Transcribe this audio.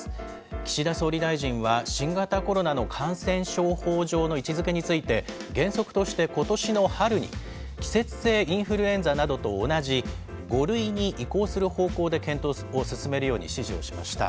岸田総理大臣は、新型コロナの感染症法上の位置づけについて、原則としてことしの春に、季節性インフルエンザなどと同じ５類に移行する方向で検討を進めるように指示をしました。